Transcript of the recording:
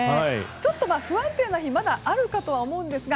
ちょっと不安定な日はあるかと思うんですが